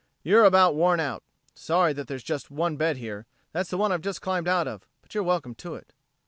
You're about worn out. Sorry that there's just one bed here. That's the one I've just climbed out of, but you're welcome to it."